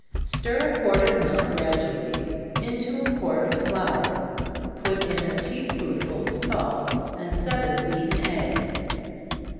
_ Stir a quart of milk gradually into a quart of flour put in a tea spoonful of salt, and seven beaten eggs.